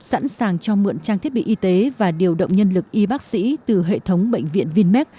sẵn sàng cho mượn trang thiết bị y tế và điều động nhân lực y bác sĩ từ hệ thống bệnh viện vinmec